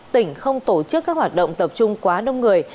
tỉnh không tổ chức các hoạt động tập trung quá đông người